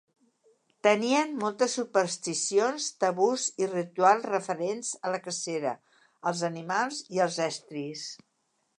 Tenien moltes supersticions, tabús i rituals referents a la cacera, als animals i als estris.